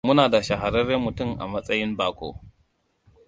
Muna da shaharren mutum a matsayin baƙo.